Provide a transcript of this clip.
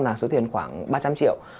là số tiền khoảng ba trăm linh triệu